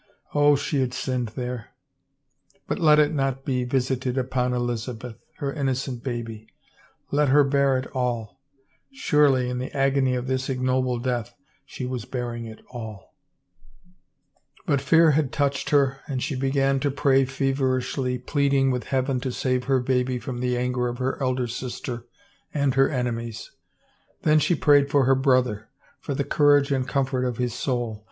Oh, she had sinned there ! But let it not be visited upon Elizabeth, her innocent babyl Let her bear it all — surely, in the agony of this ignoble death she was bear ing it all I 36s THE FAVOR OF KINGS But fear had touched her and she began to pray fever ishly, pleading with Heaven to save her baby from the anger of her elder sister and her enemies. Then she prayed for her brother, for the courage and comfort of his soul.